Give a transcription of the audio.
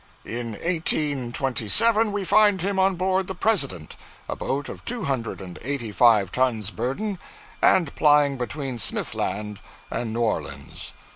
'In 1827 we find him on board the "President," a boat of two hundred and eighty five tons burden, and plying between Smithland and New Orleans.